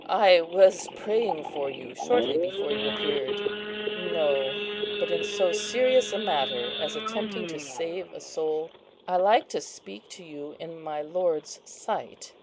I was praying for you shortly before you appeared. No; but, in so serious a matter as attempting to save a soul, I like to speak to you in my Lord's sight.